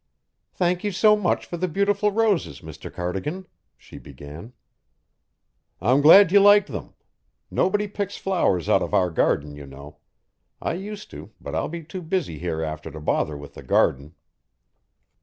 "Thank you so much for the beautiful roses, Mr. Cardigan," she began. "I'm glad you liked them. Nobody picks flowers out of our garden, you know. I used to, but I'll be too busy hereafter to bother with the garden."